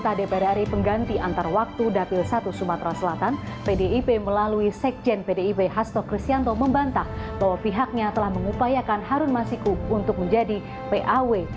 ketua dpr hari pengganti antar waktu dapil satu sumatera selatan pdip melalui sekjen pdip hasto kristianto membantah bahwa pihaknya telah mengupayakan harun masiku untuk menjadi paw